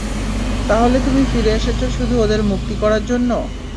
তাহলে, তুমি ফিরে এসেছ শুধু ওদের মুক্ত করার জন্য।